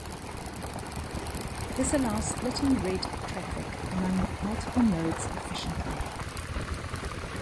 This allows splitting read traffic among multiple nodes efficiently.